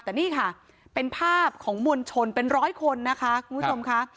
แต่นี่ค่ะเป็นภาพของมวลชนเป็นร้อยคนนะคะคุณผู้ชมค่ะ